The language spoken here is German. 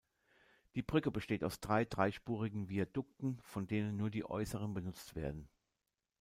Die Brücke besteht aus drei dreispurigen Viadukten, von denen nur die äußeren benutzt werden.